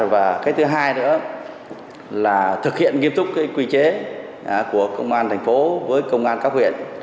và cái thứ hai nữa là thực hiện nghiêm túc quy chế của công an thành phố với công an các huyện